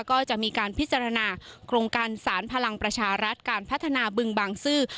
ก็จะมีการพิจารณาโครงการสารพลังประชารัฐการพัฒนาบึงบางซื่อ